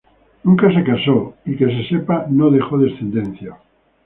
Nunca se casó y que se sepa no dejó descendencia.